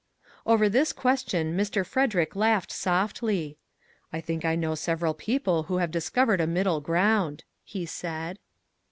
Over this question Mr. Frederick laughed softly. " I think I know several people who have discovered a middle ground," he said.